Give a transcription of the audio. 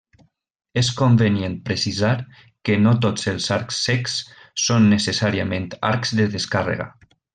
És convenient precisar que no tots els arcs cecs són necessàriament arcs de descàrrega.